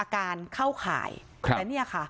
ครับ